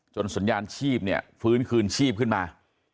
สัญญาณชีพเนี่ยฟื้นคืนชีพขึ้นมา